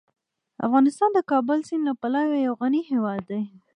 افغانستان د کابل سیند له پلوه یو غني هیواد دی.